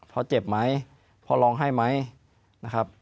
พ่อเจ็บไหมพ่อร้องไห้ไหมนะครับ